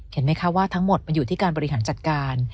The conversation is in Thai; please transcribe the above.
เห็นไหมคะว่าทั้งหมดมันอยู่ที่การบริหารจัดการ